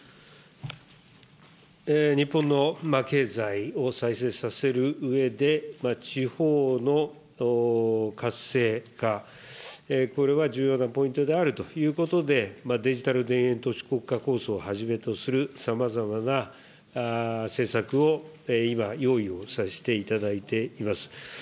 日本の経済を再生させるうえで、地方の活性化、これは重要なポイントであるということで、デジタル田園都市国家構想をはじめとするさまざまな政策を今、用意をさせていただいています。